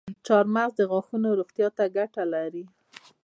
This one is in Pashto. چارمغز د غاښونو روغتیا ته ګټه لري.